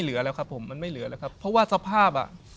รู้รู้ครับ